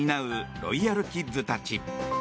ロイヤルキッズたち。